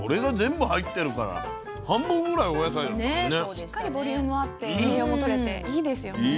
しっかりボリュームあって栄養もとれていいですよね。